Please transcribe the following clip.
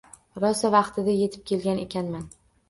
Rosa vaqtida yetib kelgan ekanman